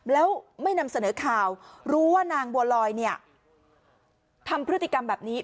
แล้วไม่นำเสนอข่าวรู้ว่านางบัวลอยเนี่ยทำพฤติกรรมแบบนี้